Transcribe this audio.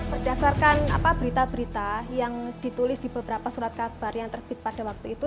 berdasarkan berita berita yang ditulis di beberapa surat kabar yang terbit pada waktu itu